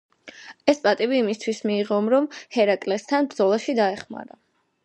ეს პატივი იმისთვის მიიღო, რომ ჰერაკლესთან ბრძოლაში დაეხმარა.